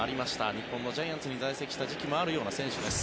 日本のジャイアンツに在籍した時期もあるような選手です。